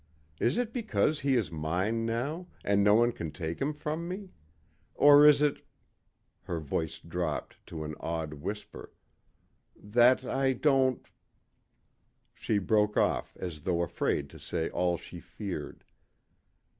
Is it because he is mine now, and no one can take him from me? Or is it," her voice dropped to an awed whisper, "that I don't " She broke off as though afraid to say all she feared.